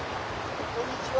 こんにちは。